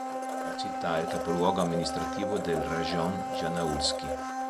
La città è il capoluogo amministrativo del "rajon" Janaul'skij.